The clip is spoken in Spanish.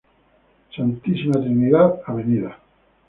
Santísima Trinidad, Av.